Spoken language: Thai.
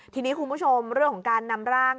ทีนี้คุณผู้ชมเรื่องของการนำร่าง